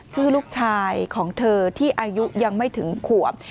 ชื่อลูกชายของเธอที่อายุยังไม่ถึงขวบ